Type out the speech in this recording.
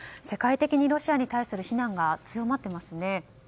世界的にロシアに対する非難が高まっていますね。